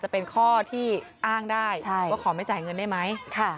โปรดติดตามตอนต่อไป